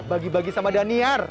bagi bagi sama daniar